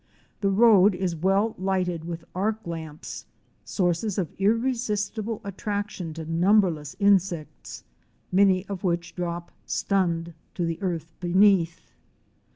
The road is well lighted with arc lamps — sources of irresistible attraction to numberless insects, many of which drop stunned to the earth beneath.